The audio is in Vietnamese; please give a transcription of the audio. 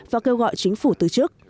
và kêu gọi chính phủ từ chức